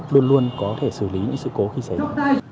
luôn luôn có thể xử lý những sự cố khi xảy ra